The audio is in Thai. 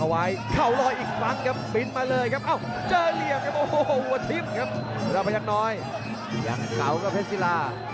ไปเพธศิลา